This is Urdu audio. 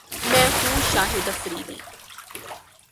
میں ہوں شاہد افریدی